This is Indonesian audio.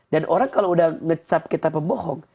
dan orang kalau udah ngecap kita pembohong